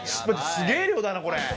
すげぇ量だな、これ。